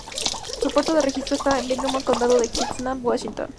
Su puerto de registro esta en Bremerton, Condado de Kitsap, Washington.